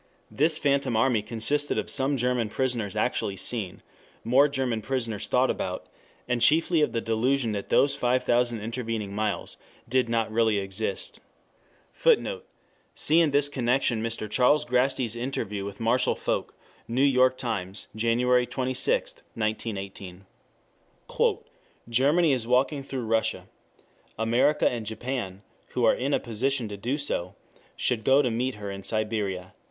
This phantom army consisted of some German prisoners actually seen, more German prisoners thought about, and chiefly of the delusion that those five thousand intervening miles did not really exist. [Footnote: See in this connection Mr. Charles Grasty's interview with Marshal Foch, New York Times, February 26, 1918. "Germany is walking through Russia. America and Japan, who are in a position to do so, should go to meet her in Siberia."